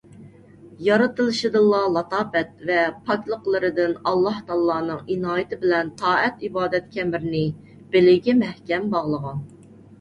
يارىتلىشدىنلا لاتاپەت ۋە پاكلىقلىرىدىن ئاللاھتائالانىڭ ئىنايىتى بىلەن تائەت - ئىبادەت كەمىرىنى بېلىگە مەھكەم باغلىغان.